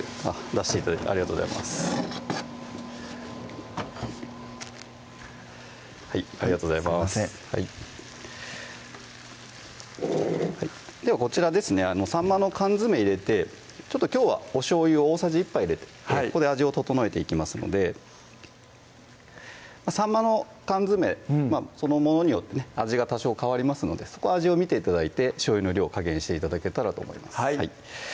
はいありがとうございますすいませんではこちらですねさんまの缶詰入れてちょっときょうはおしょうゆを大さじ１杯入れてここで味を調えていきますのでさんまの缶詰そのものによって味が多少変わりますので味を見て頂いてしょうゆの量加減して頂けたらと思います